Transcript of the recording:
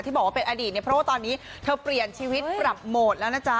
บอกว่าเป็นอดีตเนี่ยเพราะว่าตอนนี้เธอเปลี่ยนชีวิตปรับโหมดแล้วนะจ๊ะ